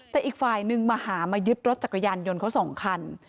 แต่อีกฝ่ายนึงมาหามายึดรถจักรยานยนต์เขาสองคัน